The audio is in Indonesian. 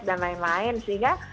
dan lain lain sehingga